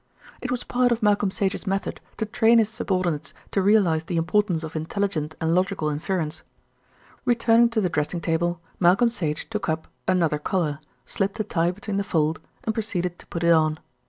It was part of Malcolm Sage's method to train his subordinates to realise the importance of intelligent and logical inference. Returning to the dressing table, Malcolm Sage took up another collar, slipped a tie between the fold, and proceeded to put it on.